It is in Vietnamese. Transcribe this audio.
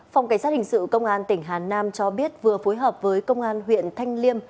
phòng cảnh sát hình sự công an tỉnh hà nam cho biết vừa phối hợp với công an huyện thanh liêm